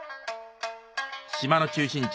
島の中心地